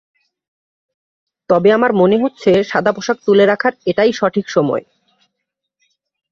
তবে আমার মনে হচ্ছে সাদা পোশাক তুলে রাখার এটাই সঠিক সময়।